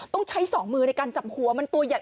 ต้องใช้สองมือในการจับหัวมันตัวใหญ่